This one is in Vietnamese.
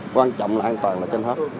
quan trọng là an toàn là trên hết